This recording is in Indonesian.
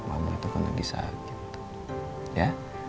mama itu kena di sakit ya